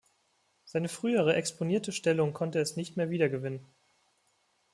Seine frühere exponierte Stellung konnte es nicht mehr wiedergewinnen.